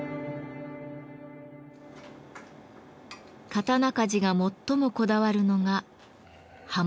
刀鍛冶が最もこだわるのが刃文です。